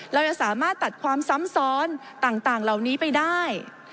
เราจะสามารถตัดความซ้ำซ้อนต่างเหล่านี้ไปได้